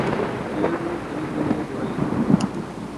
தேர்ந்து தெளிதலே முறை!